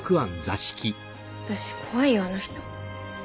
私怖いよあの人。